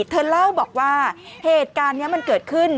เธอเล่าบอกว่าเหตุการณ์นี้มันเกิดขึ้น